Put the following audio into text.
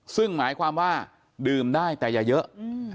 ซึ่งหมายความว่าดื่มได้แต่อย่าเยอะ